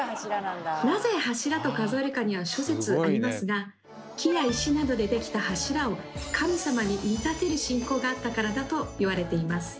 なぜ「柱」と数えるかには諸説ありますが木や石などで出来た柱を神様に見立てる信仰があったからだと言われています。